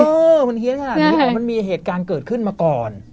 เออมันเฮียนขนาดนี้มันมีเหตุการณ์เกิดขึ้นมาก่อน